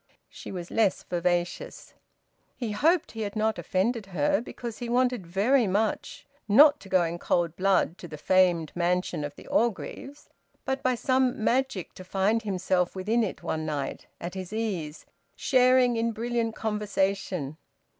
She was less vivacious. He hoped he had not offended her, because he wanted very much not to go in cold blood to the famed mansion of the Orgreaves but by some magic to find himself within it one night, at his ease, sharing in brilliant conversation.